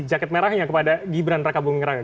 jaket merahnya kepada gibran raka bung rangga